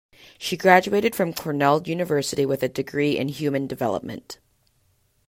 She graduated from Cornell University with a degree in Human Development.